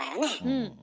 うん。